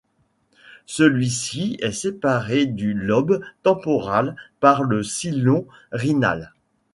Celui-ci est séparé du lobe temporal par le sillon rhinal.